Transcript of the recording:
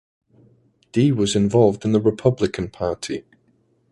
Dee was involved in the Republican Party.